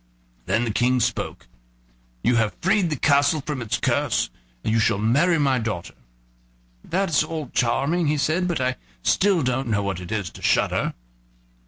Then the King spoke: "You have freed the castle from its curse, and you shall marry my daughter." "That's all charming," he said; "but I still don't know what it is to shudder."